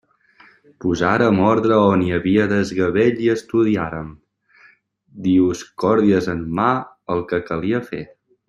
Posàrem ordre on hi havia desgavell i estudiàrem, Dioscòrides en mà, el que calia fer.